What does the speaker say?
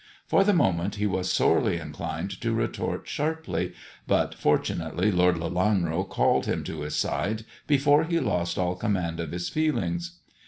For the moment he was sorely inclined to retort sharply, but fortunately Lord Lelanro called him to his side before he lost all command of his feelings.